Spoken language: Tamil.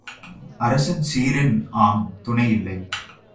அரசன் சீறின் ஆம் துணை இல்லை.